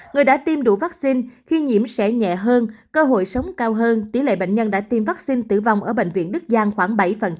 người đã tiêm đủ vaccine khi nhiễm sẽ nhẹ hơn cơ hội sống cao hơn tỷ lệ bệnh nhân đã tiêm vaccine tử vong ở bệnh viện đức giang khoảng bảy